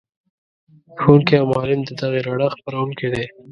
ښوونکی او معلم د دغې رڼا خپروونکی دی.